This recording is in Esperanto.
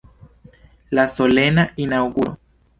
La solena inaŭguro.